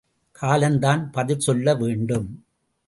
காலம்தான் பதில் சொல்ல வேண்டும்.